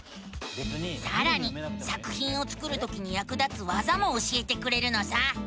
さらに作ひんを作るときにやく立つわざも教えてくれるのさ！